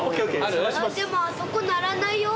でもあそこ鳴らないよ。